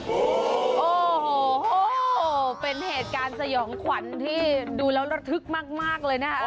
โอ้โหเป็นเหตุการณ์สยองขวัญที่ดูแล้วระทึกมากเลยนะคะ